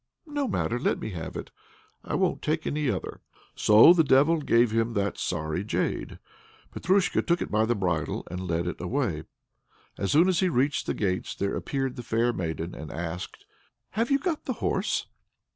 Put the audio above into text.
"No matter, let me have it. I won't take any other." So the Devil gave him that sorry jade. Petrusha took it by the bridle and led it away. As soon as he reached the gates there appeared the fair maiden, and asked: "Have you got the horse?"